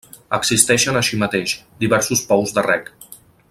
Existeixen així mateix, diversos pous de reg.